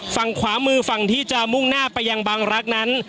ฝั่งขวามือฝั่งที่จะมุ่งหน้าไปยังบางรักนั้น